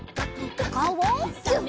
おかおをギュッ！